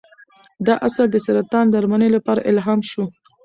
دا اصل د سرطان درملنې لپاره الهام شو.